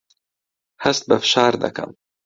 هەست بە فشار دەکەم.